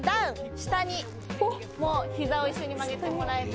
下にも膝を一緒に曲げてもえたら。